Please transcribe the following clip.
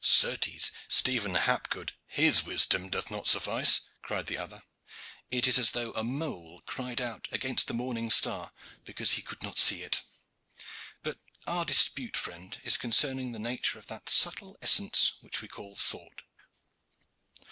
"Certes, Stephen Hapgood, his wisdom doth not suffice," cried the other. "It is as though a mole cried out against the morning star, because he could not see it. But our dispute, friend, is concerning the nature of that subtle essence which we call thought.